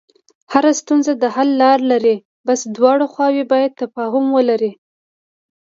هره ستونزه د حل لاره لري، بس دواړه خواوې باید تفاهم ولري.